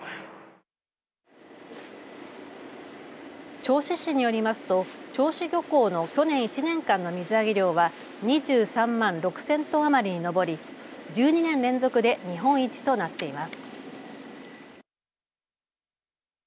銚子市によりますと銚子漁港の去年１年間の水揚げ量は２３万６０００トン余りに上り１２年連続で日本一となっています。